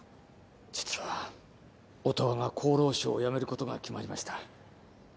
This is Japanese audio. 実は音羽が厚労省を辞めることが決まりました